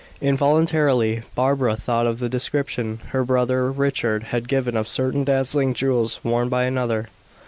Involuntarily Barbara thought of the description her brother Richard had given of certain dazzling jewels worn by another.